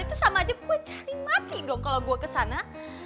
itu sama aja buat cari mati dong kalau gue kesana